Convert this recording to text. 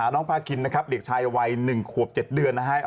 น้องพาคินนะครับเด็กชายวัย๑ขวบ๗เดือนนะฮะ